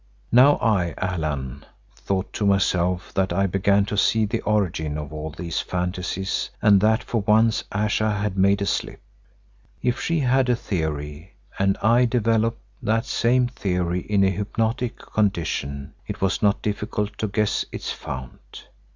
(Now I, Allan, thought to myself that I began to see the origin of all these fantasies and that for once Ayesha had made a slip. If she had a theory and I developed that same theory in a hypnotic condition, it was not difficult to guess its fount.